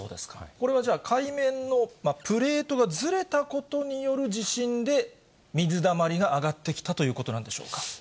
これはじゃあ、海面のプレートがずれたことによる地震で、水だまりが上がってきたということなんでしょうか？